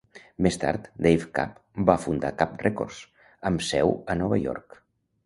Més tard, Dave Kapp va fundar Kapp Records, amb seu a Nova York.